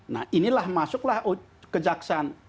nah inilah masuklah kejaksaan